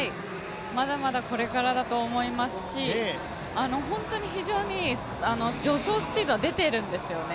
まだまだこれからだと思いますし、本当に非常に助走スピードは出ているんですよね。